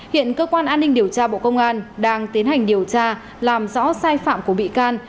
hiện cơ quan an ninh điều tra bộ công an đang tiến hành điều tra làm rõ sai phạm của bị can